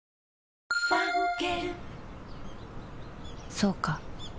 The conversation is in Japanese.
そうか